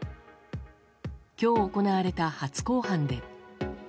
今日行われた初公判で。